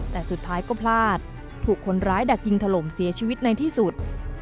แต่สุดท้ายก็พลาดถูกคนร้ายดักยิงถล่มเสียชีวิตในที่สุด